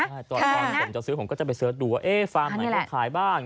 ใช่ตอนผมจะซื้อผมก็จะไปเสิร์ชดูว่าฟาร์มไหนเขาขายบ้าง